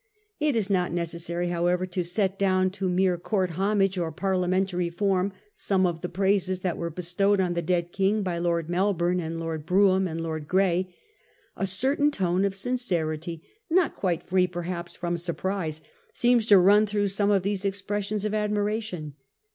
It is not necessary, however, to set down to mere court homage or parliamentary form some of the praises that were bestowed on the dead King by Lord Melbourne and Lord Brougham and Lord Grey. A certain tone of sincerity, not quite free perhaps from surprise, appears to run through some of these expressions of admiration.